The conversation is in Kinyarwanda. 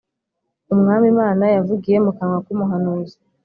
Umwami Imana yavugiye mu kanwa k’ umuhanuzi